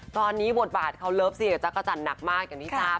ตอนนี้บทบาทเขาเลิฟซีกับจักรจันทร์หนักมากอย่างที่ทราบ